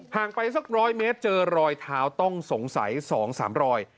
ไปสัก๑๐๐เมตรเจอรอยเท้าต้องสงสัย๒๓รอย